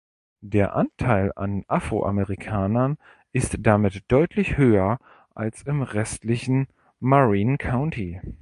Der Anteil an Afroamerikanern ist damit deutlich höher als im restlichen Marin County.